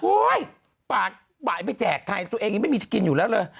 โอ๊ยปากไปแจกตัวเองยังไม่มีที่กินอยู่แล้วเลย